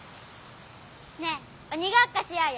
ねえおにごっこしようよ。